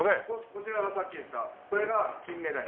こちらがさっき言ったこれがキンメダイ。